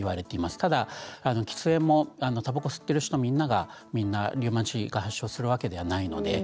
ただ、たばこを吸っている人みんながみんなリウマチを発症するわけではありません。